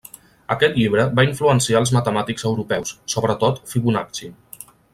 Aquest llibre va influenciar els matemàtics europeus, sobretot Fibonacci.